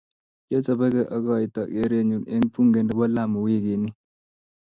kiochoboge akoito keerenyu eng bunge nebo Lamu wikini